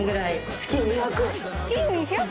月２００？